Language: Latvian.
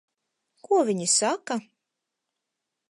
Ko viņi saka?